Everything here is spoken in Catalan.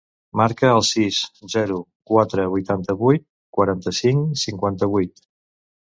Marca el sis, zero, quatre, vuitanta-vuit, quaranta-cinc, cinquanta-vuit.